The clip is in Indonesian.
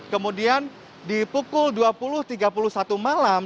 kemudian di pukul dua puluh tiga puluh satu malam